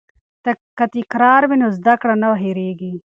که تکرار وي نو زده کړه نه هېریږي.